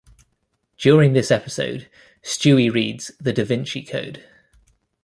During the episode Stewie reads "The Da Vinci Code".